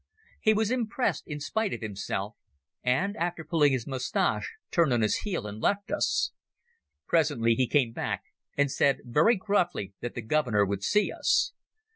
He was impressed in spite of himself, and after pulling his moustache turned on his heel and left us. Presently he came back and said very gruffly that the Governor would see us.